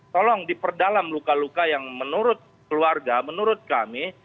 tolong diperdalam luka luka yang menurut keluarga menurut kami